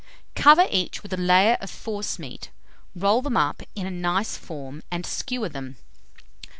Cover each with a layer of forcemeat, roll them up in a nice form, and skewer them.